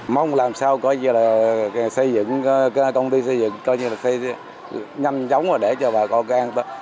mong làm sao có công ty xây dựng coi như là xây dựng nhanh chóng để cho bà con có nhà an tâm